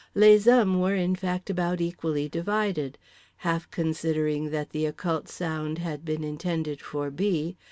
Les hommes were in fact about equally divided; half considering that the occult sound had been intended for "B.